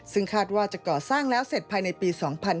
ซึ่งคาดว่าจะก่อสร้างแล้วเสร็จภายในปี๒๕๕๙